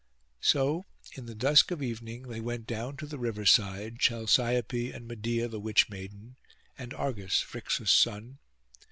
So in the dusk of evening they went down to the river side, Chalciope and Medeia the witch maiden, and Argus, Phrixus' son.